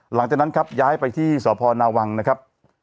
หลังจากนั้นครับย้ายไปที่สพนาวังนะครับ